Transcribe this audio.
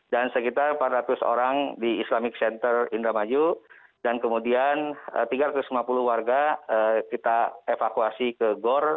dan sekitar empat ratus orang di islamic center indramayu dan kemudian tiga ratus lima puluh warga kita evakuasi ke gor